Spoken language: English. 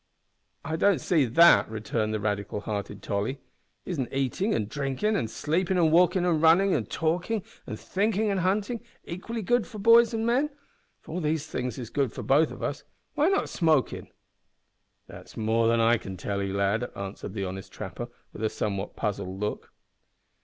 "I don't see that" returned the radical hearted Tolly. "Isn't eatin', an' drinkin', an' sleepin', an' walkin', an' runnin', an' talkin', an' thinkin', an' huntin', equally good for boys and men? If all these things is good for us both, why not smokin'?" "That's more than I can tell 'ee, lad," answered the honest trapper, with a somewhat puzzled look.